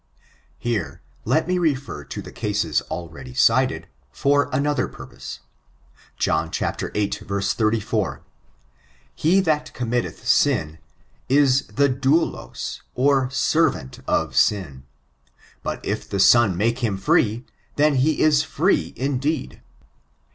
Here let me refer to the cases already cited, for another purpose: John viii. 34, "He that committeth sm, is the ddmlos or servant of sin; but if the Son make him free, then he is free indeed."